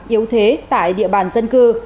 yếu thế tại địa bàn dân cư